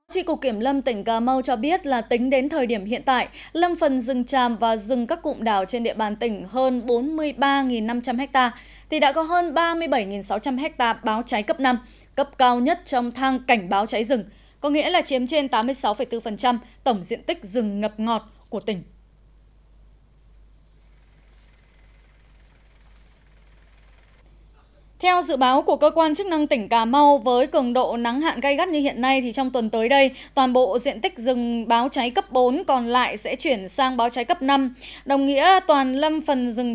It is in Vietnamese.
chị cụ kiểm lâm tỉnh cà mau cho biết là tính đến thời điểm hiện tại lâm phần rừng tràm và rừng các cụm đảo trên địa bàn tỉnh hơn bốn mươi ba năm trăm linh ha thì đã có hơn ba mươi bảy sáu trăm linh ha báo cháy cấp năm cấp cao nhất trong thang cảnh báo cháy rừng có nghĩa là chiếm trên tám mươi sáu bốn tổng diện tích rừng ngập ngọt của tỉnh